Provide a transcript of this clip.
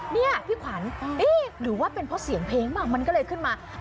เนี่ยพี่ขวัญว่าเป็นเพราะเสียงเพลงมะมันก็เลยขึ้นมา